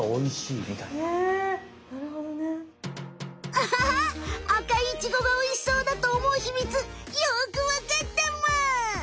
アハハッ赤いイチゴがおいしそうだとおもう秘密よくわかったむ！